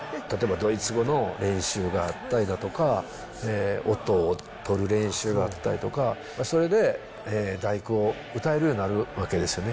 たとえばドイツ語の練習があったりだとか、音を取る練習があったりとか、それで第九を歌えるようになるわけですよね。